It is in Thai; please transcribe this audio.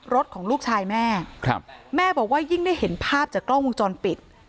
ของลูกชายแม่ครับแม่แม่บอกว่ายิ่งได้เห็นภาพจากกล้องวงจรปิด